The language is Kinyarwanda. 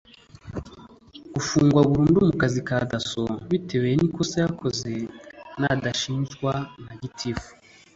gufungwa burundu mu kazi ka dasso bitewe n ikosa yakoze natashijwa na kitifu